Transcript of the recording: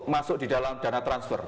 masuk di dalam dana transfer